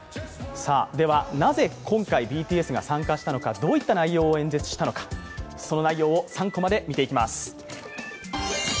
なぜ今回ＢＴＳが参加したのか、どういった内容を演説したのか、その内容を３コマで見ていきます。